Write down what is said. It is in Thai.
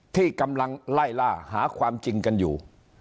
ที่กำลังไล่ล่าหาความจริงกันอยู่